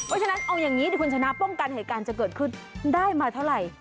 เพราะฉะนั้นเอาอย่างนี้เดี๋ยวคุณชนะป้องกันเหตุการณ์จะเกิดขึ้นได้มาเท่าไหร่